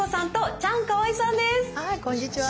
はいこんにちは。